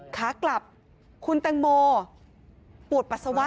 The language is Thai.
ขากลับคุณแตงโมปวดปัสสาวะ